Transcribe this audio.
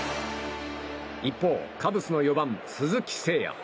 一方カブスの４番、鈴木誠也。